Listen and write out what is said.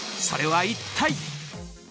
それは一体？